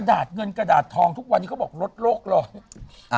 เงินกระดาษทองทุกวันนี้เขาบอกลดโลกร้อน